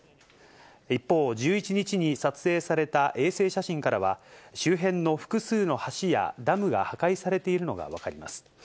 一方、１１日に撮影された衛星写真からは、周辺の複数の橋やダムが破壊されているのが分かります。